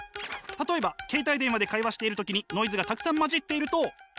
例えば携帯電話で会話している時にノイズがたくさん混じっていると。